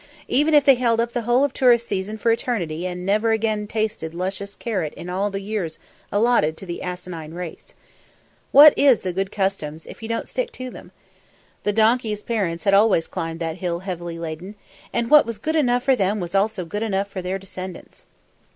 even if they held up the whole of the tourist season for eternity and never again tasted luscious carrot in all the years allotted to the asinine race. What is the good of customs if you don't stick to them? The donkeys' parents had always climbed that hill heavily laden, and what was good enough for them was also good enough for their descendants!